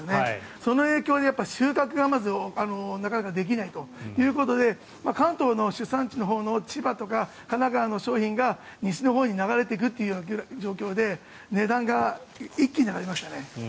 その影響で収穫がまずなかなかできないということで関東の主産地のほうの千葉とか神奈川の商品が西のほうに流れていくという状況で値段が一気に上がりましたね。